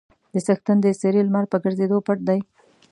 د څښتن د څېرې لمر په ګرځېدو پټ دی.